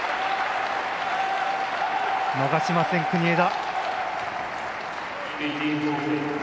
逃しません、国枝。